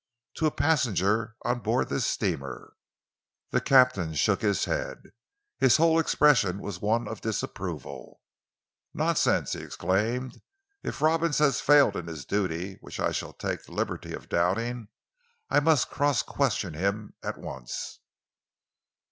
"To a passenger on board this steamer." The captain shook his head. His whole expression was one of disapproval. "Nonsense!" he exclaimed. "If Robins has failed in his duty, which I still take the liberty of doubting, I must cross question him at once."